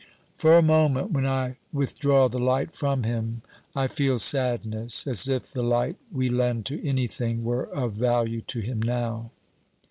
'For a moment, when I withdraw the light from him, I feel sadness. As if the light we lend to anything were of value to him now!'